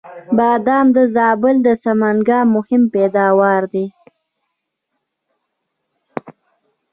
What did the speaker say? بادام د زابل او سمنګان مهم پیداوار دی